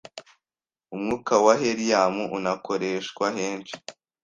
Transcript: Umwuka wa helium unakoreshwa henshi